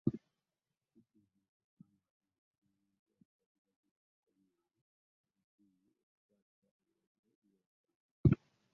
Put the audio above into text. UPDF ekambuwadde, bwetegeezezza obutagikaka kukomyawo LDU okukwasisa ebiragiro bya Omukambwe